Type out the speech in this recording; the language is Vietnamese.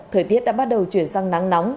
thời tiết đã bắt đầu chuyển sang nắng nóng